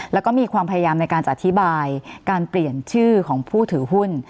แล้วก็มีความพยายามในการจะอธิบายการเปลี่ยนชื่อของผู้ถือหุ้น